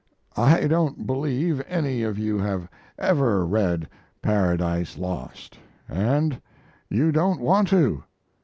I don't believe any of you have ever read "Paradise Lost," and you don't want to.